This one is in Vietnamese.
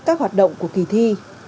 các hoạt động của kỳ thi